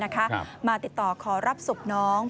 คอยติดต่อคอรับซุปน้อง